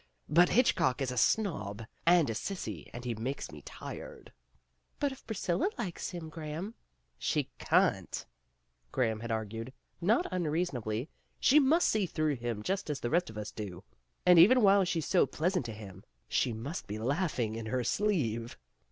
But Hitchcock is a snob and a sissy and he makes me tired. " "But if Priscilla likes him, Graham " "She can't," Graham had argued, not un reasonably. "She must see through him just as the rest of us do; and even while she's so pleasant to him, she must be laughing in her sleeve.